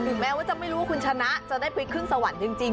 แม้ว่าจะไม่รู้ว่าคุณชนะจะได้ไปขึ้นสวรรค์จริง